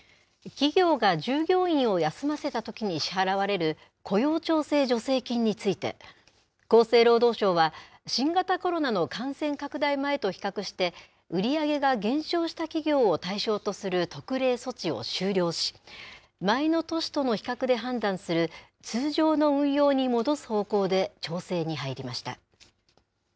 企業が従業員を休ませたときに支払われる雇用調整助成金について、厚生労働省は、新型コロナの感染拡大前と比較して、売り上げが減少した企業を対象とする特例措置を終了し、前の年との比較で判断する通常の運用に戻す方向で調整に入りました。